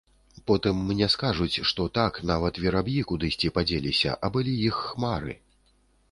Потым мне скажуць, што, так, нават вераб'і кудысьці падзеліся, а былі іх хмары.